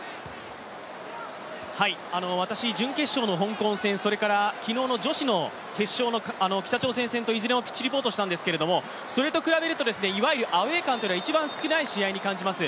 私、準決勝の香港戦、昨日の女子の決勝の北朝鮮戦といずれもピッチリポートしたんですが、それと比べるといわゆるアウェー感が一番少ない試合に感じます。